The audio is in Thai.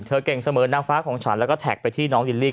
เก่งเสมอนางฟ้าของฉันแล้วก็แท็กไปที่น้องลิลลี่